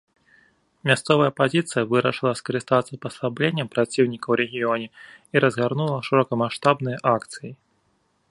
Мясцовая апазіцыя вырашыла скарыстацца паслабленнем праціўніка ў рэгіёне і разгарнула шырокамаштабныя акцыі.